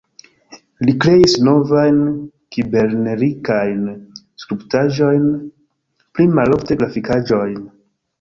Li kreis movajn-kibernerikajn skulptaĵojn, pli malofte grafikaĵojn.